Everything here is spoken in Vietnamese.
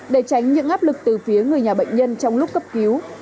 để tránh những áp lực từ phía người nhà bệnh nhân trong lúc cấp cứu